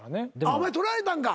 お前撮られたんか？